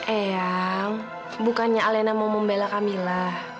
eyang bukannya alena mau membela kamila